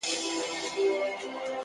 هغه وكړې سوگېرې پــه خـاموشـۍ كي _